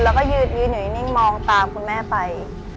แล้วก็ยืนอยู่นิ่งมองตามคุณแม่ไป